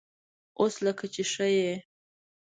_اوس لکه چې ښه يې؟